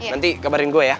nanti kabarin gue ya